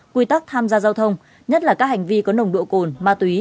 quy tắc tham gia giao thông nhất là các hành vi có nồng độ cồn ma túy